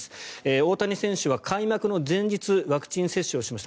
大谷選手は開幕の前日にワクチン接種をしました。